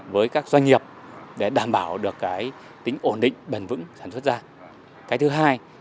với sản lượng khoảng ba tỷ đồng cho đồng bào dân tộc tây